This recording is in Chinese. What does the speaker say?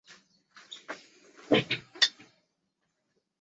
大花甘肃紫堇为罂粟科紫堇属下的一个变种。